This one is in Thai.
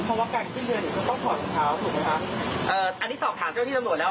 เพราะว่าการขึ้นเชิญหนูก็ต้องถอดรองเท้าถูกไหมคะเอ่ออันนี้สอบถามเจ้าที่ตำรวจแล้ว